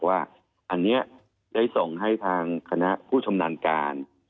ว่าอันนี้ได้ส่งให้ทางคณะผู้ชำนาญการ